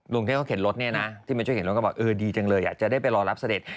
กรุงเทพเขาเข็นรถเนี่ยนะที่มาช่วยเข็นรถก็บอกเออดีจังเลยจะได้ไปรอรับเสด็จ